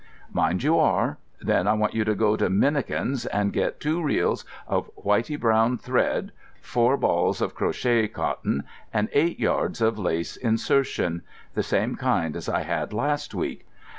"Mind you are. Then I want you to go to Minikin's and get two reels of whitey brown thread, four balls of crochet cotton, and eight yards of lace insertion—the same kind as I had last week.